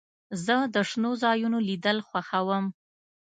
زه د شنو ځایونو لیدل خوښوم.